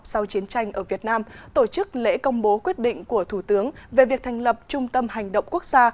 sau chiến tranh ở việt nam tổ chức lễ công bố quyết định của thủ tướng về việc thành lập trung tâm hành động quốc gia